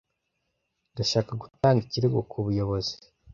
Ndashaka gutanga ikirego kubuyobozi.